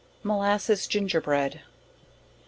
Molasses Gingerbread.